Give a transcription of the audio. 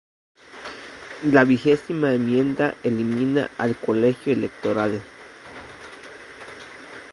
¿La Vigésima Enmienda elimina al Colegio Electoral?